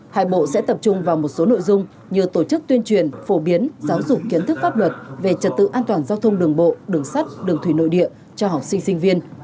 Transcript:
hai bộ sẽ tập trung vào một số nội dung như tổ chức tuyên truyền phổ biến giáo dục kiến thức pháp luật về trật tự an toàn giao thông đường bộ đường sắt đường thủy nội địa cho học sinh sinh viên